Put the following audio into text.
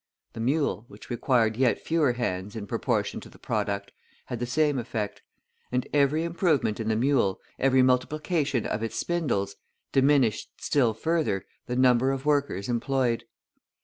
The mule, which required yet fewer hands in proportion to the product, had the same effect, and every improvement in the mule, every multiplication of its spindles, diminished still further the number of workers employed.